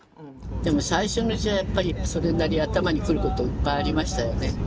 でも最初のうちはやっぱりそれなりに頭にくることいっぱいありましたよね。